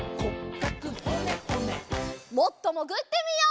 もっともぐってみよう！